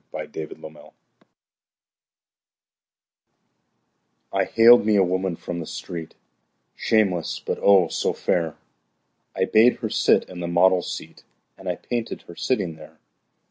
My Madonna I haled me a woman from the street, Shameless, but, oh, so fair! I bade her sit in the model's seat And I painted her sitting there.